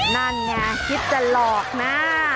นั่นเนี่ยคิดจะหลอกนะ